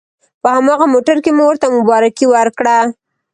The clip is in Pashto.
په هماغه موټر کې مو ورته مبارکي ورکړه.